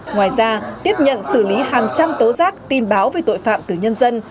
ngoài ra tiếp nhận xử lý hàng trăm tố giác tin báo về tội phạm từ nhân dân